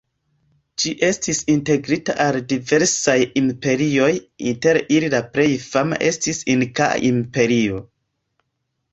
Ĝi estis integrita al diversaj imperioj, inter ili la plej fama estis Inkaa Imperio.